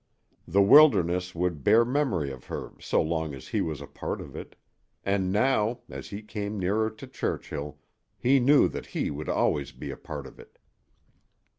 The wilderness would bear memory of her so long as he was a part of it; and now, as he came nearer to Churchill, he knew that he would always be a part of it.